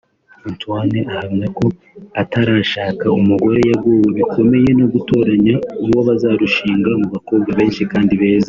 Antoine ahamya ko atarashaka umugore yagowe bikomeye no gutoranya uwo bazarushinga mu bakobwa benshi kandi beza